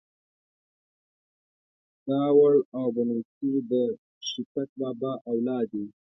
داوړ او بنوڅي ده شيتک بابا اولاد دې.